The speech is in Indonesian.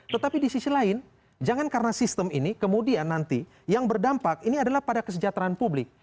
tetapi di sisi lain jangan karena sistem ini kemudian nanti yang berdampak ini adalah pada kesejahteraan publik